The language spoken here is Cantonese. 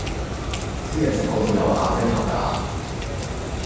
燒嘢食嗰度有瓦遮頭㗎